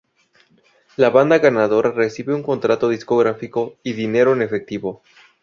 La banda ganadora recibe un contrato discográfico y dinero en efectivo.